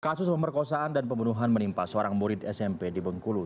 kasus pemerkosaan dan pembunuhan menimpa seorang murid smp di bengkulu